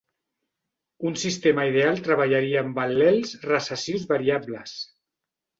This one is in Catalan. Un sistema ideal treballaria amb al·lels recessius variables.